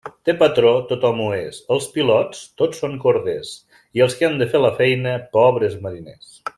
De patró, tothom ho és, els pilots, tots són corders, i els que han de fer la feina, pobres mariners.